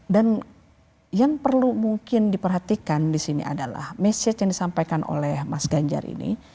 dan yang perlu mungkin diperhatikan disini adalah mesej yang disampaikan oleh mas ganjar ini